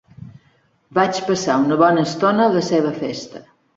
Vaig passar una molt bona estona a la seva festa.